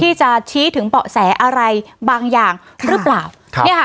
ที่จะชี้ถึงเบาะแสอะไรบางอย่างหรือเปล่าครับเนี่ยค่ะ